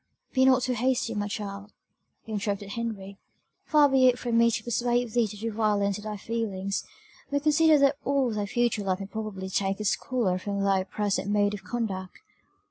"Be not too hasty, my child," interrupted Henry; "far be it from me to persuade thee to do violence to thy feelings but consider that all thy future life may probably take its colour from thy present mode of conduct.